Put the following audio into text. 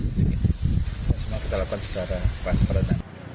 kita semua melakukan secara transparan